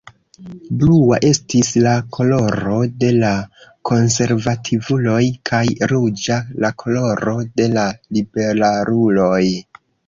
Blua estis la koloro de la konservativuloj, kaj ruĝa la koloro de la liberaluloj.